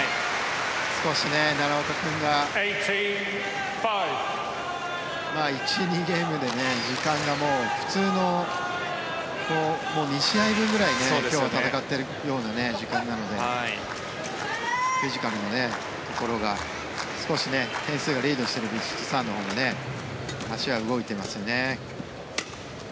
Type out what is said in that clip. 少し奈良岡君が１、２ゲームで時間が普通の２試合分ぐらい今日は戦っているような時間なのでフィジカルのところが少し点数がリードしているヴィチットサーンのほうが足は動いていますね。